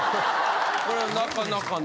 これがなかなかね。